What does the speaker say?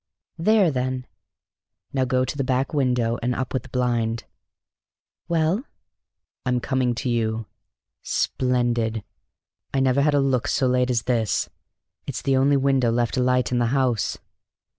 "There, then." "Now go to the back window and up with the blind." "Well?" "I'm coming to you. Splendid! I never had a look so late as this. It's the only window left alight in the house!"